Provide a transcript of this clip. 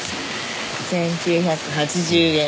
１，９８０円。